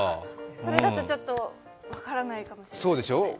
それだとちょっと分からないかもしれないですね。